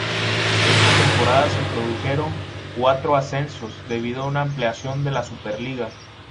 Esta temporada se produjeron cuatro ascensos debido a una ampliación de la Superliga.